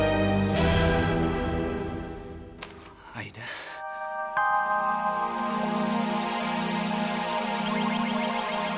akhirnya kamu datang juga san